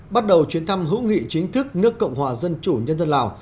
bắt đầu chuyến thăm hữu nghị chính thức nước cộng hòa dân chủ nhân dân lào